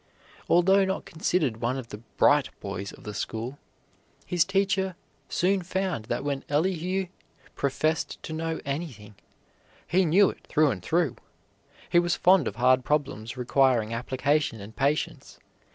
Although not considered one of the "bright" boys of the school, his teacher soon found that when Elihu professed to know anything he knew it through and through. He was fond of hard problems requiring application and patience.